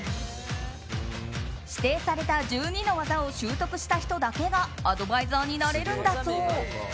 指定された１２の技を習得した人だけがアドバイザーになれるんだそう。